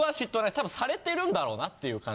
多分されてるだろうなっていう感じ。